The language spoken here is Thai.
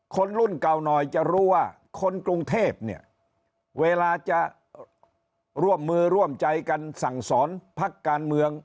คนรุ่นเก่าหน่อยจะรู้ว่าคนกรุงเทพเนี่ยเวลาจะร่วมมือร่วมใจกันสั่งสอนพักการเมือง